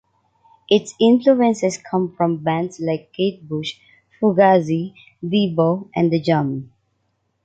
Its influences come from bands like Kate Bush, Fugazi, Devo, and The Jam.